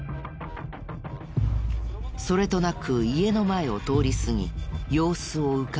それとなく家の前を通り過ぎ様子をうかがう。